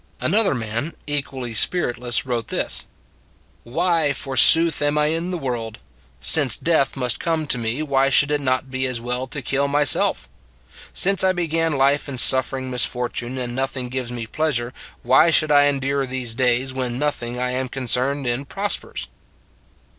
Another man equally spiritless wrote this: " Why, forsooth, am I in the world ? Since death must come to me, why should it not be as well to kill myself. ... Since I began life in suffering misfortune and nothing gives me pleas ure, why should I endure these days, when noth ing I am concerned in prospers?